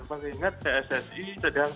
mereka ingat pssi sedang menanggungnya